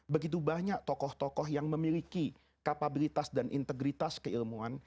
begitu banyak tokoh tokoh yang memiliki kapabilitas dan integritas keilmuan